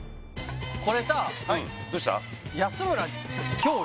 これさあうんどうした？